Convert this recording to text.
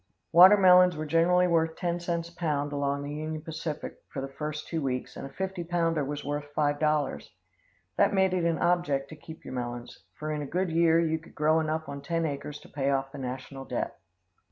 Watermelons were generally worth ten cents a pound along the Union Pacific for the first two weeks, and a fifty pounder was worth $5. That made it an object to keep your melons, for in a good year you could grow enough on ten acres to pay off the national debt.